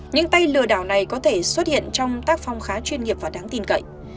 những tay lừa đảo này có thể xuất hiện trong tác phong khá chuyên nghiệp và đáng tin cậy